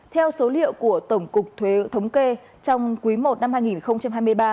theo số liệu của tổng cục thuế thống kê trong quý i năm hai nghìn hai mươi ba